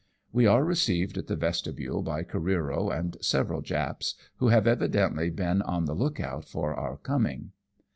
We are received at the vestibule by Careero and several Japs, who have evidently been on the look out for our coming.